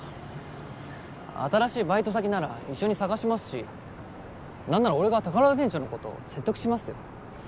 新しいバイト先なら一緒に探しますしなんなら俺が宝田店長の事説得しますよ。